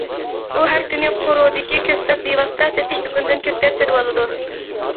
ئۇ ھەر كۈنى قورۇدىكى كۆكتات بىۋاسىتە سېتىش دۇكىنىدىن كۆكتات سېتىۋالىدۇ.